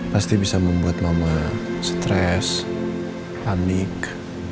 pasti bisa membuat mama stres panik